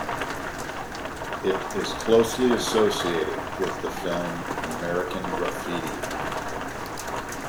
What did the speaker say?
It is closely associated with the film "American Graffiti".